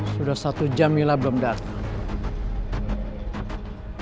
sudah satu jam mila belum datang